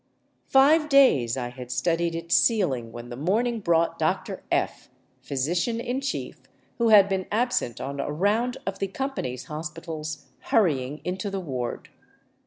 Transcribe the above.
Five days I had studied its ceiling when the morning brought Dr. F, physician in chief, who had been absent on a round of the com pany's hospitals, hurrying into the ward.